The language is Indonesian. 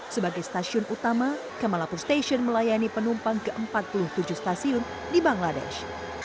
sebagai stasiun utama kamalapu station melayani penumpang ke empat puluh tujuh stasiun di bangladesh